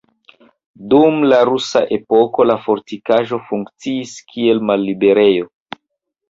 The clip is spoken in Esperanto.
Dum la Rusa epoko la fortikaĵo funkciis kiel malliberejo.